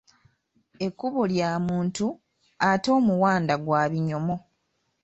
Ekkubo lya muntu ate omuwanda gwa binyomo.